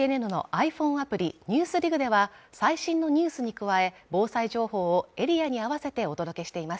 ＪＮＮのｉＰｈｏｎｅアプリ「ＮＥＷＳＤＩＧ」では最新のニュースに加え防災情報をエリアに合わせてお届けしています